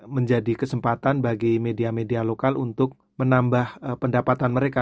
menjadi kesempatan bagi media media lokal untuk menambah pendapatan mereka